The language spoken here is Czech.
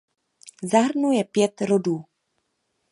Zahrnuje pět rodů.